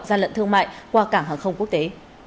gian lận thương mại qua cảng hàng không quốc tế